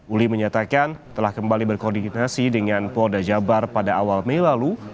uli menyatakan telah kembali berkoordinasi dengan polda jabar pada awal mei lalu